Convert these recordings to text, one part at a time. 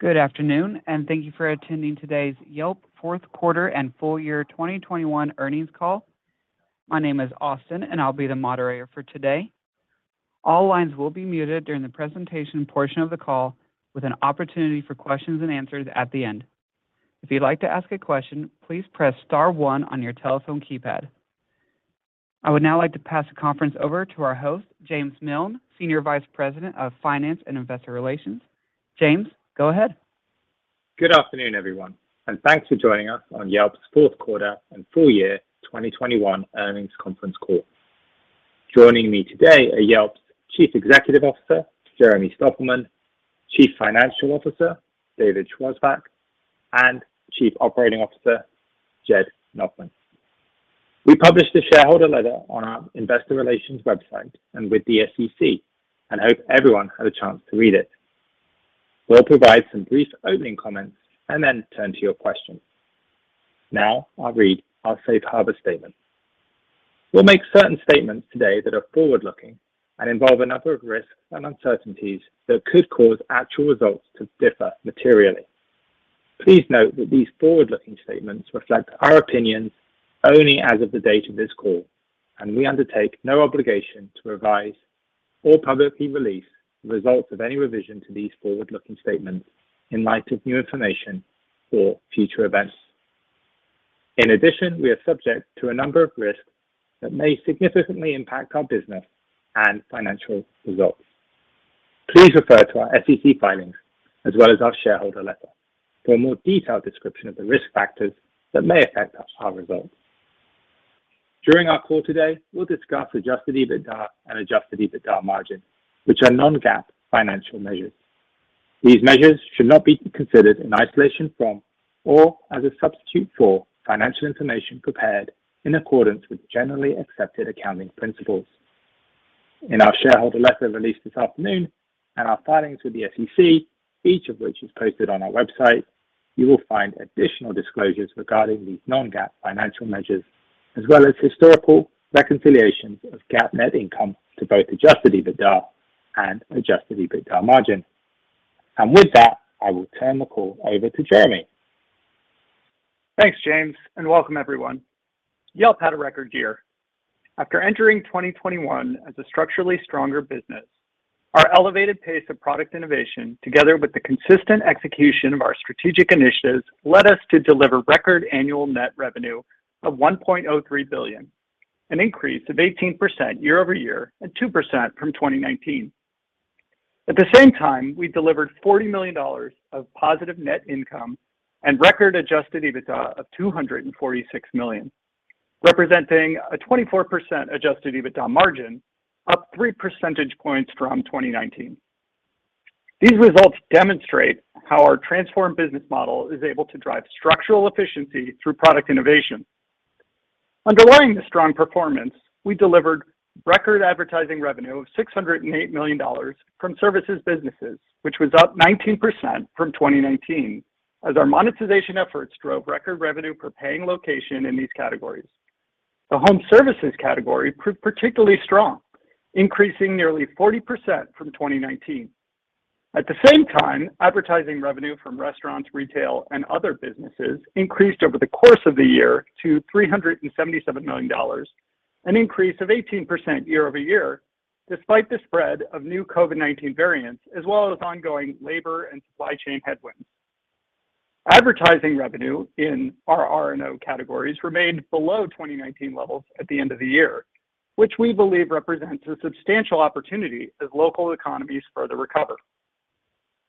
Good afternoon, and thank you for attending today's Yelp fourth quarter and full year 2021 earnings call. My name is Austin and I'll be the moderator for today. All lines will be muted during the presentation portion of the call, with an opportunity for questions and answers at the end. If you'd like to ask a question, please press star one on your telephone keypad. I would now like to pass the conference over to our host, James Miln, Senior Vice President of Finance and Investor Relations. James, go ahead. Good afternoon, everyone, and thanks for joining us on Yelp's fourth quarter and full year 2021 earnings conference call. Joining me today are Yelp's Chief Executive Officer, Jeremy Stoppelman, Chief Financial Officer, David Schwarzbach, and Chief Operating Officer, Jed Nachman. We published a shareholder letter on our investor relations website and with the SEC, and hope everyone had a chance to read it. We'll provide some brief opening comments and then turn to your questions. Now I'll read our safe harbor statement. We'll make certain statements today that are forward-looking and involve a number of risks and uncertainties that could cause actual results to differ materially. Please note that these forward-looking statements reflect our opinions only as of the date of this call, and we undertake no obligation to revise or publicly release results of any revision to these forward-looking statements in light of new information or future events. In addition, we are subject to a number of risks that may significantly impact our business and financial results. Please refer to our SEC filings as well as our shareholder letter for a more detailed description of the risk factors that may affect our results. During our call today, we'll discuss adjusted EBITDA and adjusted EBITDA margin, which are non-GAAP financial measures. These measures should not be considered in isolation from or as a substitute for financial information prepared in accordance with generally accepted accounting principles. In our shareholder letter released this afternoon and our filings with the SEC, each of which is posted on our website, you will find additional disclosures regarding these non-GAAP financial measures, as well as historical reconciliations of GAAP net income to both adjusted EBITDA and adjusted EBITDA margin. With that, I will turn the call over to Jeremy. Thanks, James, and welcome everyone. Yelp had a record year. After entering 2021 as a structurally stronger business, our elevated pace of product innovation, together with the consistent execution of our strategic initiatives, led us to deliver record annual net revenue of $1.03 billion, an increase of 18% year-over-year and 2% from 2019. At the same time, we delivered $40 million of positive net income and record adjusted EBITDA of $246 million, representing a 24% adjusted EBITDA margin, up three percentage points from 2019. These results demonstrate how our transformed business model is able to drive structural efficiency through product innovation. Underlying this strong performance, we delivered record advertising revenue of $608 million from services businesses, which was up 19% from 2019 as our monetization efforts drove record revenue per paying location in these categories. The home services category proved particularly strong, increasing nearly 40% from 2019. At the same time, advertising revenue from restaurants, retail, and other businesses increased over the course of the year to $377 million, an increase of 18% year-over-year, despite the spread of new COVID-19 variants as well as ongoing labor and supply chain headwinds. Advertising revenue in our RR&O categories remained below 2019 levels at the end of the year, which we believe represents a substantial opportunity as local economies further recover.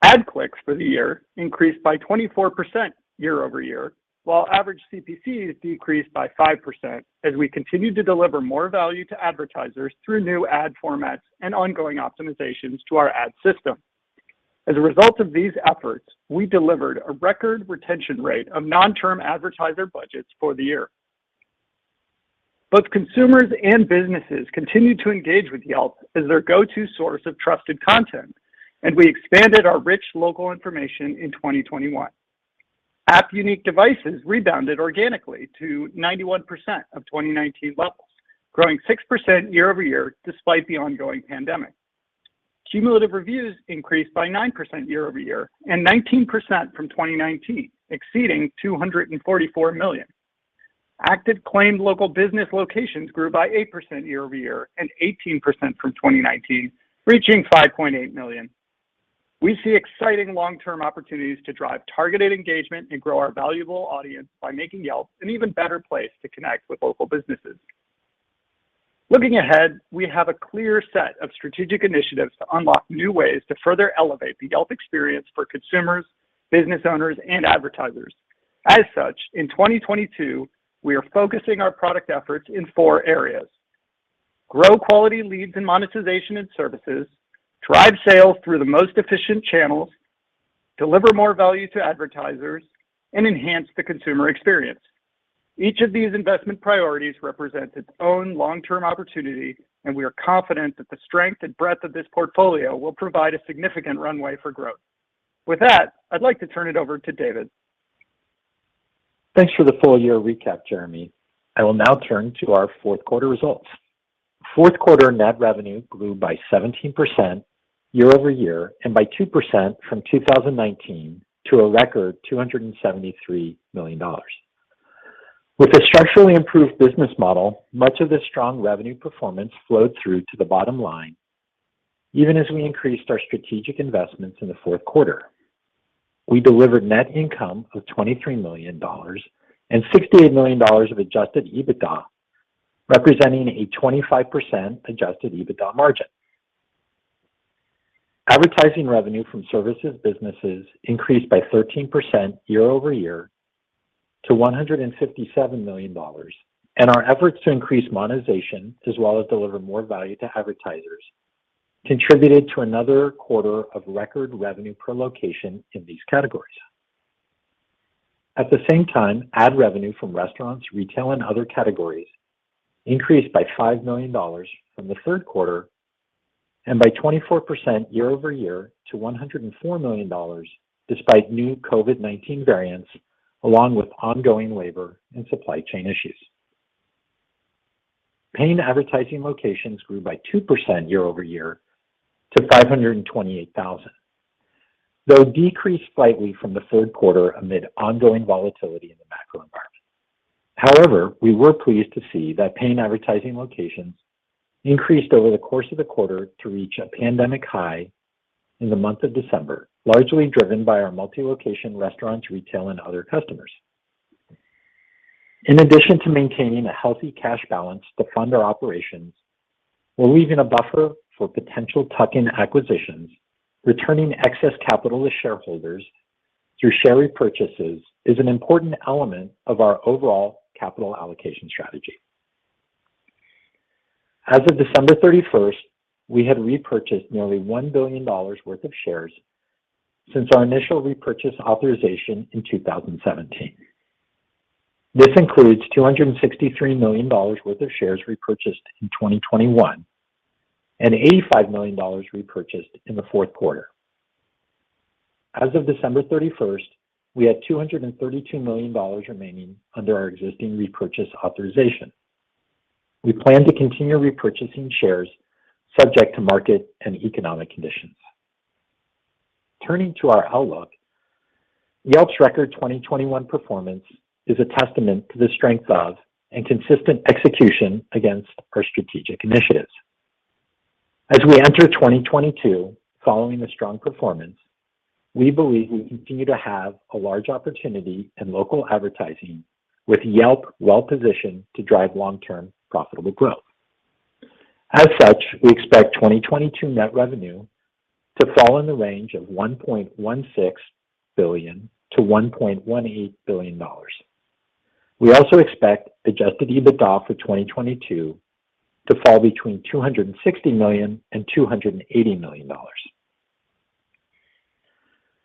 Ad clicks for the year increased by 24% year-over-year, while average CPCs decreased by 5% as we continued to deliver more value to advertisers through new ad formats and ongoing optimizations to our ad system. As a result of these efforts, we delivered a record retention rate of non-term advertiser budgets for the year. Both consumers and businesses continued to engage with Yelp as their go-to source of trusted content, and we expanded our rich local information in 2021. App unique devices rebounded organically to 91% of 2019 levels, growing 6% year-over-year despite the ongoing pandemic. Cumulative reviews increased by 9% year-over-year and 19% from 2019, exceeding 244 million. Active claimed local business locations grew by 8% year-over-year and 18% from 2019, reaching 5.8 million. We see exciting long-term opportunities to drive targeted engagement and grow our valuable audience by making Yelp an even better place to connect with local businesses. Looking ahead, we have a clear set of strategic initiatives to unlock new ways to further elevate the Yelp experience for consumers, business owners, and advertisers. As such, in 2022, we are focusing our product efforts in four areas: grow quality leads in monetization and services, drive sales through the most efficient channels, deliver more value to advertisers, and enhance the consumer experience. Each of these investment priorities represents its own long-term opportunity, and we are confident that the strength and breadth of this portfolio will provide a significant runway for growth. With that, I'd like to turn it over to David. Thanks for the full year recap, Jeremy. I will now turn to our fourth quarter results. Fourth quarter net revenue grew by 17% year-over-year and by 2% from 2019 to a record $273 million. With a structurally improved business model, much of the strong revenue performance flowed through to the bottom line, even as we increased our strategic investments in the fourth quarter. We delivered net income of $23 million and $68 million of adjusted EBITDA, representing a 25% adjusted EBITDA margin. Advertising revenue from services businesses increased by 13% year-over-year to $157 million, and our efforts to increase monetization as well as deliver more value to advertisers contributed to another quarter of record revenue per location in these categories. At the same time, ad revenue from restaurants, retail and other categories increased by $5 million from the third quarter and by 24% year-over-year to $104 million despite new COVID-19 variants, along with ongoing labor and supply chain issues. Paying advertising locations grew by 2% year-over-year to 528,000, though decreased slightly from the third quarter amid ongoing volatility in the macro environment. However, we were pleased to see that paying advertising locations increased over the course of the quarter to reach a pandemic high in the month of December, largely driven by our multi-location restaurants, retail and other customers. In addition to maintaining a healthy cash balance to fund our operations, while leaving a buffer for potential tuck-in acquisitions, returning excess capital to shareholders through share repurchases is an important element of our overall capital allocation strategy. As of December 31, we had repurchased nearly $1 billion worth of shares since our initial repurchase authorization in 2017. This includes $263 million worth of shares repurchased in 2021 and $85 million repurchased in the fourth quarter. As of December 31, we had $232 million remaining under our existing repurchase authorization. We plan to continue repurchasing shares subject to market and economic conditions. Turning to our outlook, Yelp's record 2021 performance is a testament to the strength of and consistent execution against our strategic initiatives. As we enter 2022 following a strong performance, we believe we continue to have a large opportunity in local advertising with Yelp well positioned to drive long-term profitable growth. As such, we expect 2022 net revenue to fall in the range of $1.16 billion-$1.18 billion. We also expect adjusted EBITDA for 2022 to fall between $260 million and $280 million.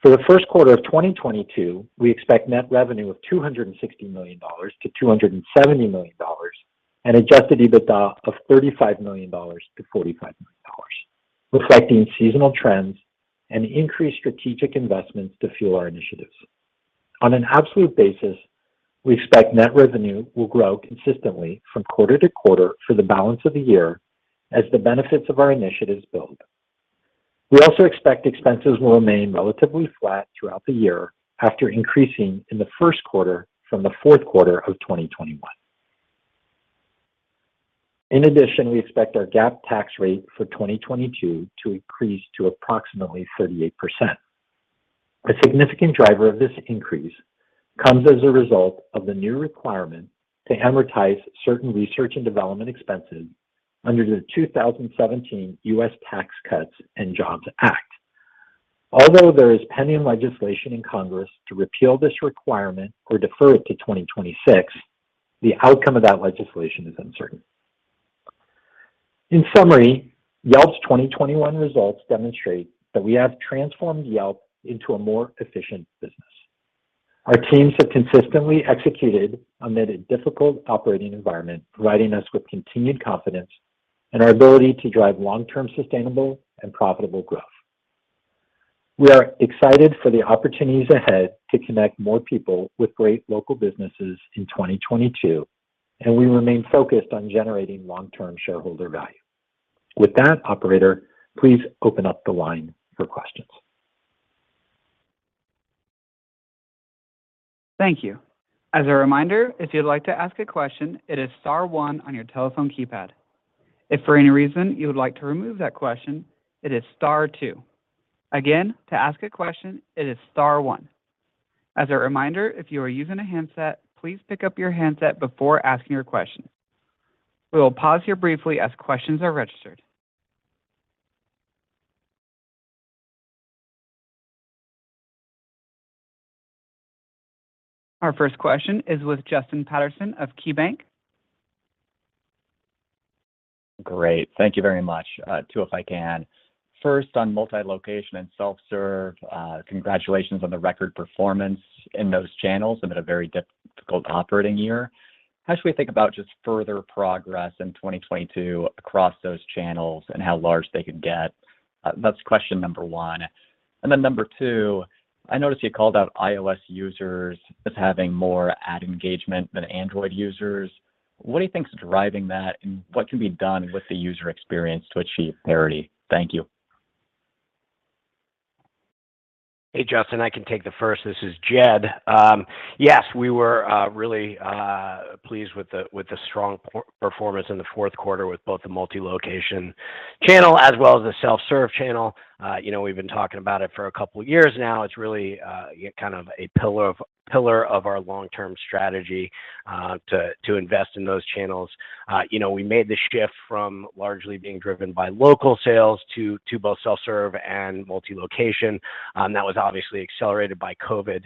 For the first quarter of 2022, we expect net revenue of $260 million-$270 million and adjusted EBITDA of $35 million-$45 million, reflecting seasonal trends and increased strategic investments to fuel our initiatives. On an absolute basis, we expect net revenue will grow consistently from quarter to quarter for the balance of the year as the benefits of our initiatives build. We also expect expenses will remain relatively flat throughout the year after increasing in the first quarter from the fourth quarter of 2021. In addition, we expect our GAAP tax rate for 2022 to increase to approximately 38%. A significant driver of this increase comes as a result of the new requirement to amortize certain research and development expenses under the 2017 US Tax Cuts and Jobs Act. Although there is pending legislation in Congress to repeal this requirement or defer it to 2026, the outcome of that legislation is uncertain. In summary, Yelp's 2021 results demonstrate that we have transformed Yelp into a more efficient business. Our teams have consistently executed amid a difficult operating environment, providing us with continued confidence in our ability to drive long-term sustainable and profitable growth. We are excited for the opportunities ahead to connect more people with great local businesses in 2022, and we remain focused on generating long-term shareholder value. With that, operator, please open up the line for questions. Thank you. As a reminder, if you'd like to ask a question, it is star one on your telephone keypad. If for any reason you would like to remove that question, it is star two. Again, to ask a question, it is star one. As a reminder, if you are using a handset, please pick up your handset before asking your question. We will pause here briefly as questions are registered. Our first question is with Justin Patterson of KeyBanc. Great. Thank you very much. Two, if I can. First, on multi-location and self-serve, congratulations on the record performance in those channels amid a very difficult operating year. How should we think about just further progress in 2022 across those channels and how large they could get? That's question number one. Then number two, I noticed you called out iOS users as having more ad engagement than Android users. What do you think is driving that, and what can be done with the user experience to achieve parity? Thank you. Hey, Justin, I can take the first. This is Jed. Yes, we were really pleased with the strong performance in the fourth quarter with both the multi-location channel as well as the self-serve channel. You know, we've been talking about it for a couple years now. It's really kind of a pillar of our long-term strategy to invest in those channels. You know, we made the shift from largely being driven by local sales to both self-serve and multi-location, that was obviously accelerated by COVID.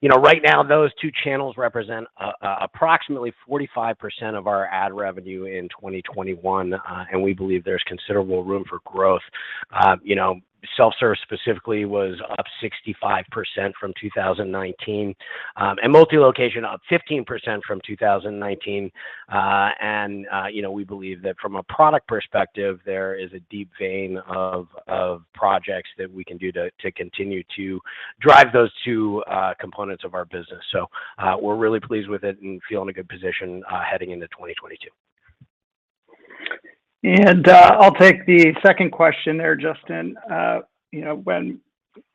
You know, right now, those two channels represent approximately 45% of our ad revenue in 2021, and we believe there's considerable room for growth. You know, self-serve specifically was up 65% from 2019, and multi-location up 15% from 2019. You know, we believe that from a product perspective, there is a deep vein of projects that we can do to continue to drive those two components of our business. We're really pleased with it and feel in a good position heading into 2022. I'll take the second question there, Justin. You know, when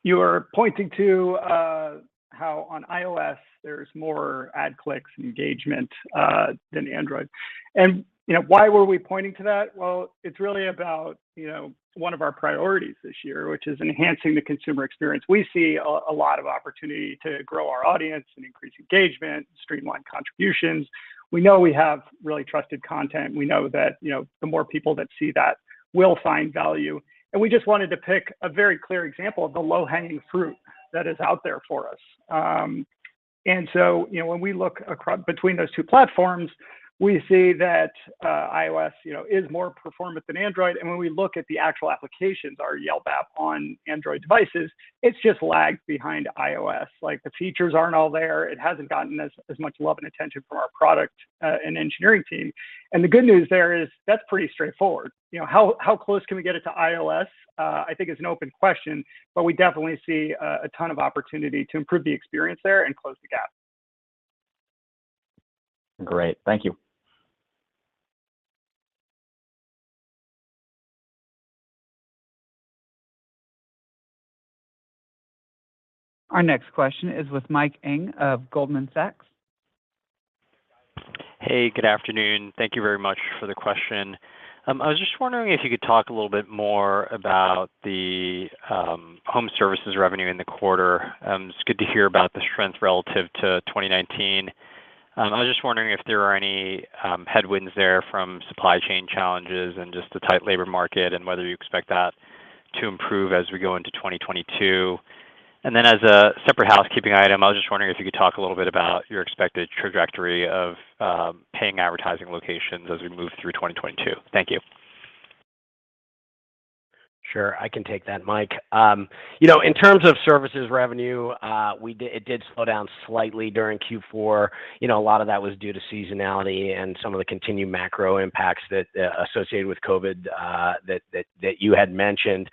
you are pointing to how on iOS there's more ad clicks and engagement than Android. You know, why were we pointing to that? Well, it's really about you know one of our priorities this year, which is enhancing the consumer experience. We see a lot of opportunity to grow our audience and increase engagement, streamline contributions. We know we have really trusted content, and we know that you know the more people that see that will find value. We just wanted to pick a very clear example of the low-hanging fruit that is out there for us. You know, when we look between those two platforms, we see that iOS you know is more performant than Android. When we look at the actual applications, our Yelp app on Android devices, it's just lagged behind iOS. Like the features aren't all there. It hasn't gotten as much love and attention from our product and engineering team. The good news there is that's pretty straightforward. You know, how close can we get it to iOS, I think is an open question, but we definitely see a ton of opportunity to improve the experience there and close the gap. Great. Thank you. Our next question is with Mike Ng of Goldman Sachs. Hey, good afternoon. Thank you very much for the question. I was just wondering if you could talk a little bit more about the home services revenue in the quarter. It's good to hear about the strength relative to 2019. I was just wondering if there are any headwinds there from supply chain challenges and just the tight labor market, and whether you expect that to improve as we go into 2022. As a separate housekeeping item, I was just wondering if you could talk a little bit about your expected trajectory of paying advertising locations as we move through 2022. Thank you. Sure. I can take that, Mike. You know, in terms of services revenue, it did slow down slightly during Q4. You know, a lot of that was due to seasonality and some of the continued macro impacts that associated with COVID, that you had mentioned.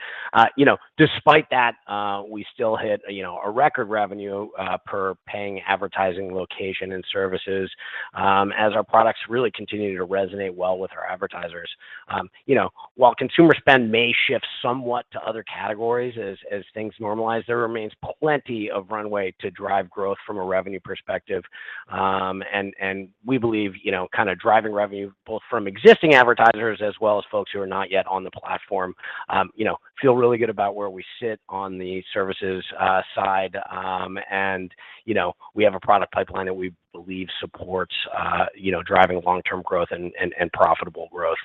You know, despite that, we still hit, you know, a record revenue per paying advertising location and services, as our products really continue to resonate well with our advertisers. You know, while consumer spend may shift somewhat to other categories as things normalize, there remains plenty of runway to drive growth from a revenue perspective. We believe, you know, kinda driving revenue both from existing advertisers as well as folks who are not yet on the platform, you know, feel really good about where we sit on the services side. You know, we have a product pipeline that we believe supports, you know, driving long-term growth and profitable growth.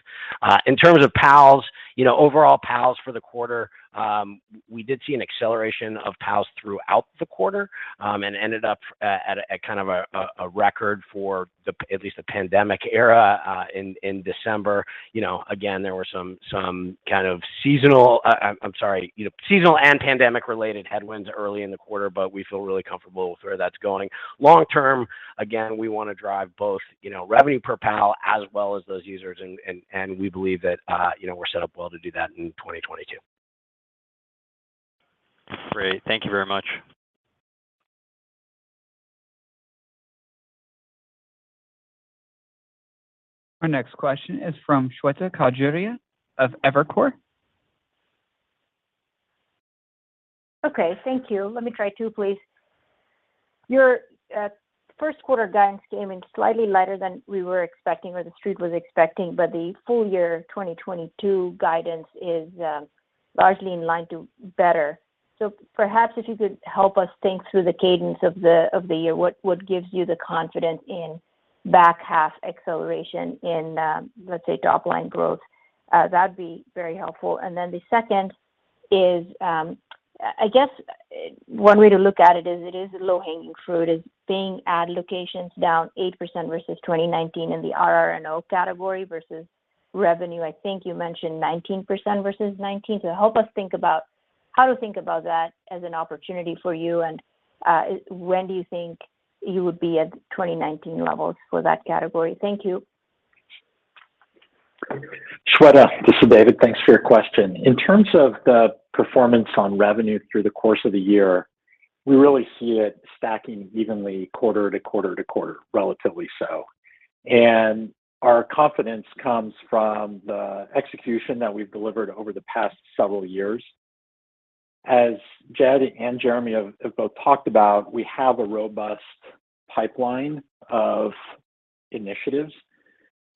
In terms of PALs, you know, overall PALs for the quarter, we did see an acceleration of PALs throughout the quarter and ended up at a kind of a record for at least the pandemic era in December. You know, again, there were some kind of seasonal and pandemic-related headwinds early in the quarter, but we feel really comfortable with where that's going. Long term, again, we wanna drive both, you know, revenue per PAL as well as those users. We believe that, you know, we're set up well to do that in 2022. Great. Thank you very much. Our next question is from Shweta Khajuria of Evercore. Okay. Thank you. Let me try two, please. Your first quarter guidance came in slightly lighter than we were expecting or the street was expecting, but the full year 2022 guidance is largely in line to better. Perhaps if you could help us think through the cadence of the year, what gives you the confidence in back half acceleration in, let's say, top line growth? That'd be very helpful. Then the second is, I guess one way to look at it is the low-hanging fruit is seeing ad locations down 8% versus 2019 in the RR&O category versus revenue, I think you mentioned 19% versus 2019. Help us think about how to think about that as an opportunity for you. When do you think you would be at 2019 levels for that category? Thank you. Shweta, this is David. Thanks for your question. In terms of the performance on revenue through the course of the year, we really see it stacking evenly quarter to quarter to quarter, relatively so. Our confidence comes from the execution that we've delivered over the past several years. As Jed and Jeremy have both talked about, we have a robust pipeline of initiatives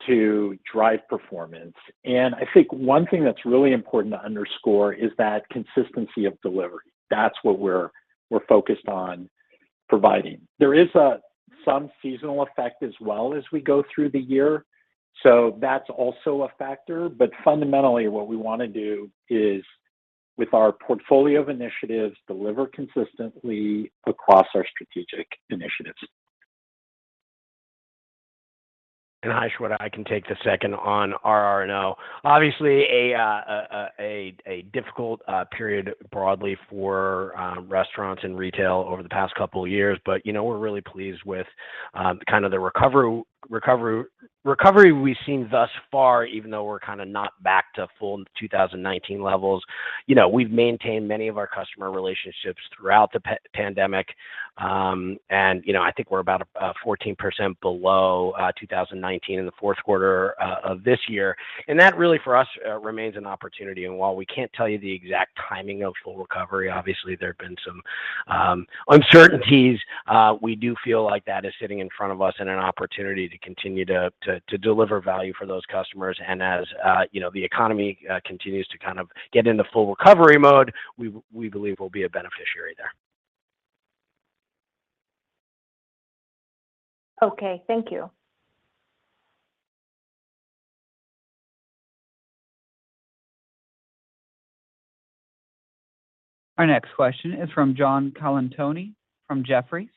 to drive performance. I think one thing that's really important to underscore is that consistency of delivery. That's what we're focused on providing. There is some seasonal effect as well as we go through the year, so that's also a factor. Fundamentally, what we wanna do is, with our portfolio of initiatives, deliver consistently across our strategic initiatives. Hi, Shweta. I can take the second on RR&O. Obviously a difficult period broadly for restaurants and retail over the past couple of years. You know, we're really pleased with kind of the recovery we've seen thus far, even though we're kinda not back to full 2019 levels. You know, we've maintained many of our customer relationships throughout the pandemic. I think we're about 14% below 2019 in the fourth quarter of this year. That really for us remains an opportunity. While we can't tell you the exact timing of full recovery, obviously there have been some uncertainties, we do feel like that is sitting in front of us and an opportunity to continue to deliver value for those customers. As you know, the economy continues to kind of get into full recovery mode, we believe we'll be a beneficiary there. Okay, thank you. Our next question is from John Colantuoni from Jefferies.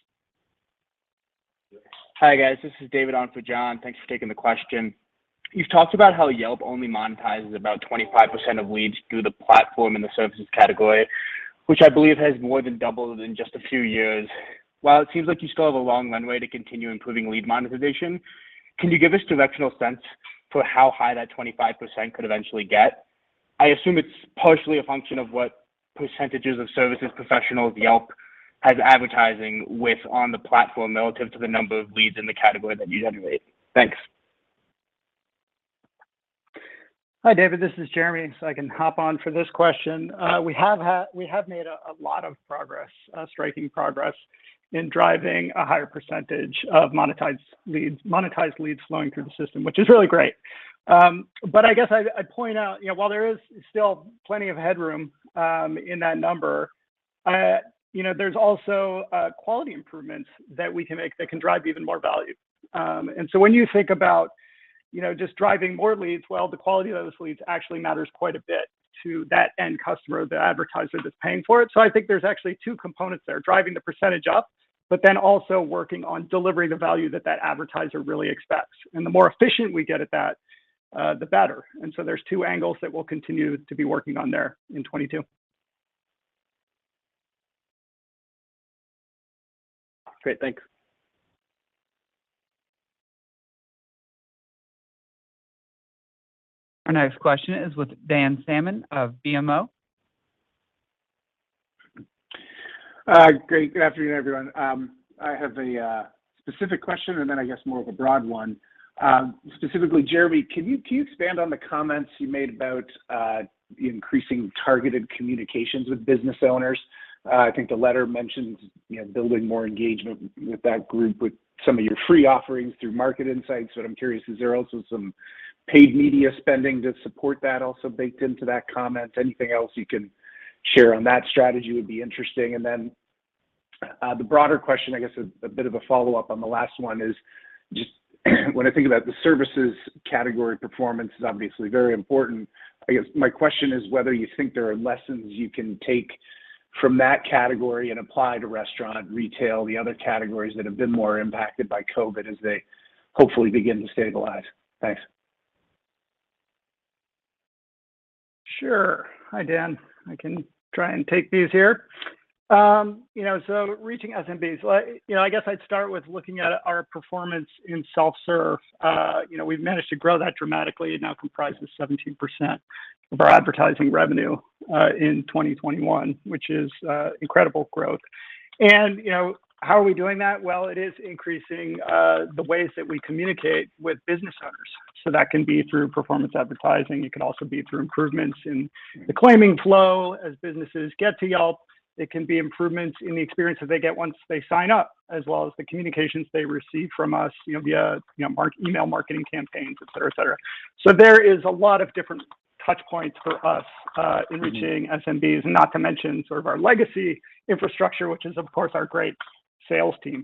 Hi, guys. This is David on for John. Thanks for taking the question. You've talked about how Yelp only monetizes about 25% of leads through the platform in the services category, which I believe has more than doubled in just a few years. While it seems like you still have a long runway to continue improving lead monetization, can you give us directional sense for how high that 25% could eventually get? I assume it's partially a function of what percentages of services professionals Yelp has advertising with on the platform relative to the number of leads in the category that you generate. Thanks. Hi, David, this is Jeremy, so I can hop on for this question. We have made a lot of progress, striking progress in driving a higher percentage of monetized leads flowing through the system, which is really great. I guess I'd point out, you know, while there is still plenty of headroom in that number, you know, there's also quality improvements that we can make that can drive even more value. When you think about, you know, just driving more leads, well, the quality of those leads actually matters quite a bit to that end customer, the advertiser that's paying for it. I think there's actually two components there, driving the percentage up, but then also working on delivering the value that that advertiser really expects. The more efficient we get at that, the better. There's two angles that we'll continue to be working on there in 2022. Great. Thanks. Our next question is with Dan Salmon of BMO. Great. Good afternoon, everyone. I have a specific question and then I guess more of a broad one. Specifically, Jeremy, can you expand on the comments you made about increasing targeted communications with business owners? I think the letter mentions, you know, building more engagement with that group with some of your free offerings through market insights, but I'm curious, is there also some paid media spending to support that also baked into that comment? Anything else you can share on that strategy would be interesting. The broader question, I guess, is a bit of a follow-up on the last one is just when I think about the services category performance is obviously very important. I guess my question is whether you think there are lessons you can take from that category and apply to restaurant, retail, the other categories that have been more impacted by COVID as they hopefully begin to stabilize. Thanks. Sure. Hi, Dan. I can try and take these here. You know, reaching SMBs. Well, you know, I guess I'd start with looking at our performance in self-serve. You know, we've managed to grow that dramatically. It now comprises 17% of our advertising revenue in 2021, which is incredible growth. You know, how are we doing that? Well, it is increasing the ways that we communicate with business owners. That can be through performance advertising. It can also be through improvements in the claiming flow as businesses get to Yelp. It can be improvements in the experience that they get once they sign up, as well as the communications they receive from us, you know, via email marketing campaigns, et cetera, et cetera. There is a lot of different touch points for us in reaching SMBs, and not to mention sort of our legacy infrastructure, which is, of course, our great sales team.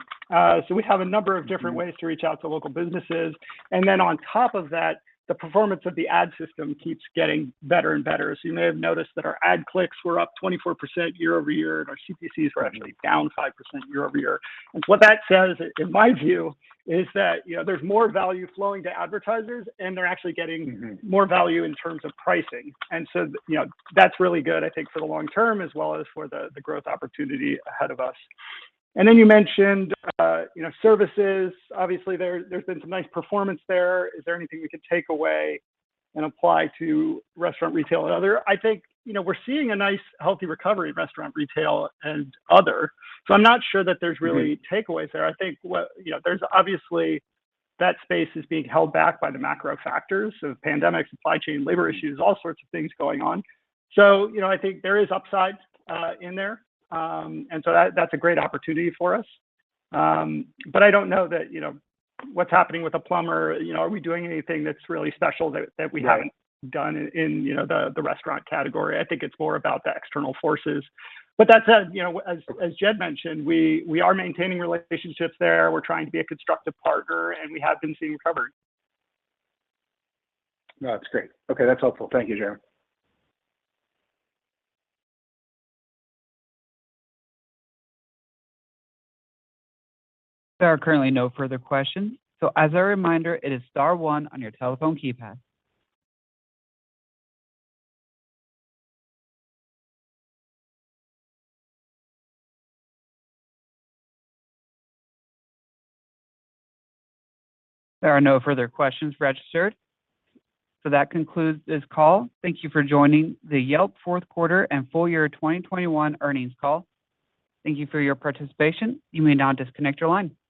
We have a number of different ways to reach out to local businesses. On top of that, the performance of the ad system keeps getting better and better. You may have noticed that our ad clicks were up 24% year-over-year, and our CPCs were actually down 5% year-over-year. What that says, in my view, is that, you know, there's more value flowing to advertisers, and they're actually getting- Mm-hmm... more value in terms of pricing. You know, that's really good, I think, for the long term, as well as for the growth opportunity ahead of us. You mentioned, you know, services. Obviously, there's been some nice performance there. Is there anything we can take away and apply to restaurant, retail, and other? I think, you know, we're seeing a nice healthy recovery in restaurant, retail, and other. I'm not sure that there's really takeaways there. I think what, you know, there's obviously that space is being held back by the macro factors of pandemic, supply chain, labor issues, all sorts of things going on. You know, I think there is upside in there. That's a great opportunity for us. I don't know that, you know, what's happening with a plumber, you know, are we doing anything that's really special that we haven't Right Done in, you know, the restaurant category. I think it's more about the external forces. That said, you know, as Jed mentioned, we are maintaining relationships there. We're trying to be a constructive partner, and we have been seeing recovery. No, that's great. Okay, that's helpful. Thank you, Jeremy. There are currently no further questions. As a reminder, it is star one on your telephone keypad. There are no further questions registered. That concludes this call. Thank you for joining the Yelp fourth quarter and full year 2021 earnings call. Thank you for your participation. You may now disconnect your line.